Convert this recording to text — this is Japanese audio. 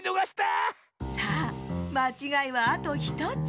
さあまちがいはあと１つ。